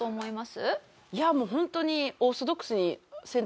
いやもうホントにオーソドックスに。